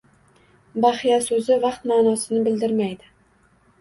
Baxya soʻzi vaqt maʼnosini bildirmaydi